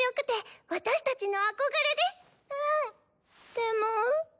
でも！